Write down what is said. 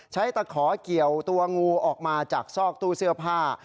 ตะขอเกี่ยวตัวงูออกมาจากซอกตู้เสื้อผ้า